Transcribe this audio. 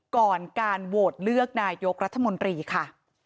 ก่อนการโหวตเลือกนายกรัฐมนตรีค่ะ